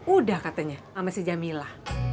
udah katanya sama si jamila